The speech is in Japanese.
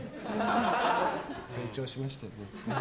成長しました、僕。